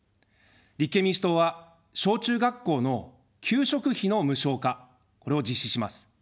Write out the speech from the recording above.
立憲民主党は、小・中学校の給食費の無償化、これを実施します。